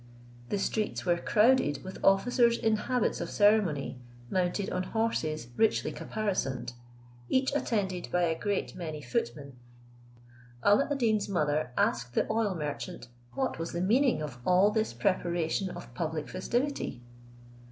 The streets were crowded with officers in habits of ceremony, mounted on horses richly caparisoned, each attended by a great many footmen. Alla ad Deen's mother asked the oil merchant what was the meaning of all this preparation of public festivity."